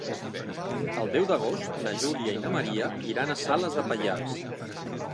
El deu d'agost na Júlia i na Maria iran a Salàs de Pallars.